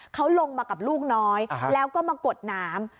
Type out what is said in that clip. เขาลงมากับลูกน้อยอ่าฮะแล้วก็มากดหนาม